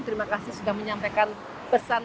terima kasih sudah menyampaikan pesan